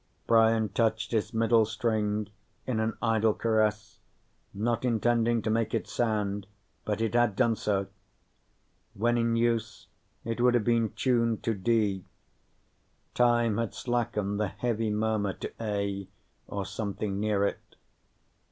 Brian touched its middle string in an idle caress, not intending to make it sound, but it had done so. When in use, it would have been tuned to D; time had slackened the heavy murmur to A or something near it.